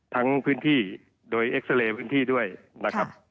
พื้นที่โดยเอ็กซาเรย์พื้นที่ด้วยนะครับ